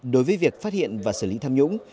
đối với việc phát hiện và xử lý tham nhũng